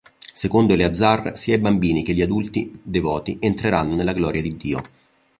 Secondo Eleazar, sia i bambini che gli adulti devoti entreranno nella gloria di Dio.